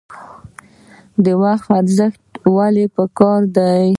د وخت ارزښت ولې پکار دی؟